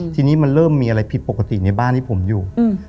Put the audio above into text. ทีนี้มันเริ่มมีอะไรผิดปกติในบ้านที่ผมอยู่